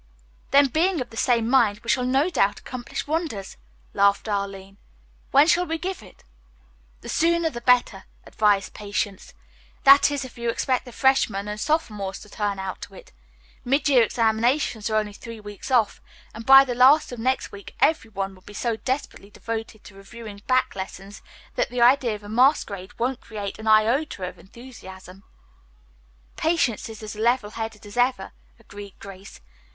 "Then, being of the same mind, we shall no doubt accomplish wonders," laughed Arline. "When shall we give it?" "The sooner, the better," advised Patience. "That is, if you expect the freshmen and sophomores to turn out to it. Midyear examinations are only three weeks off, and by the last of next week every one will be so desperately devoted to reviewing back lessons that the idea of a masquerade won't create an iota of enthusiasm." "Patience is as level headed as ever," agreed Grace.